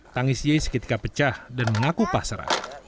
tangis ye seketika pecah dan menakupah serat